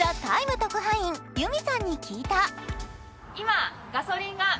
特派員ゆみさんに聞いた。